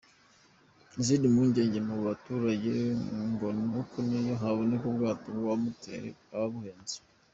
Izindi mpungenge mu baturage ngo ni uko niyo haboneka ubwato bwa moteri bwaba buhenze.